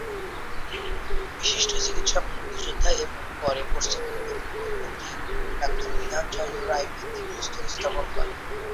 বিশিষ্ট চিকিৎসক, মুক্তিযোদ্ধা এবং পরে পশ্চিমবঙ্গের মুখ্যমন্ত্রী ডাক্তার বিধান চন্দ্র রায় ভিত্তিপ্রস্তর স্থাপন করেন।